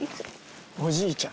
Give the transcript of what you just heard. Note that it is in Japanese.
おじいちゃん。